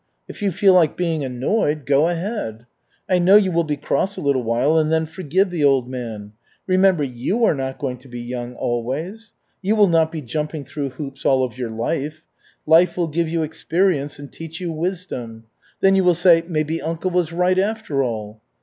If you feel like being annoyed, go ahead. I know you will be cross a little while and then forgive the old man. Remember, you are not going to be young always. You will not be jumping through hoops all of your life. Life will give you experience and teach you wisdom. Then you will say, 'Maybe uncle was right after all.'